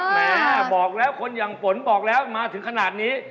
แม่บอกแล้วคนอย่างฝนบอกแล้วมาถึงขนาดนี้